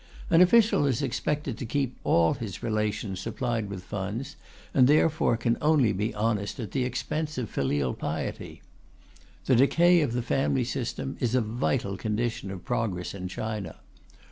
An official is expected to keep all his relations supplied with funds, and therefore can only be honest at the expense of filial piety. The decay of the family system is a vital condition of progress in China.